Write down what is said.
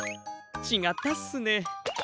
ちがったっすね。